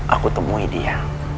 aku temui dia